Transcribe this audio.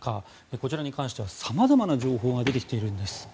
こちらに関しては、さまざまな情報が出てきているんです。